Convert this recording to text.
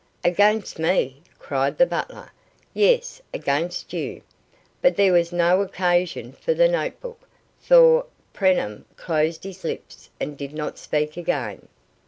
"Against me!" cried the butler. "Yes, against you." But there was no occasion for the note book, for Preenham closed his lips and did not speak again.